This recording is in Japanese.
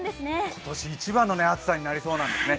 今年一番の暑さになりそうなんですね。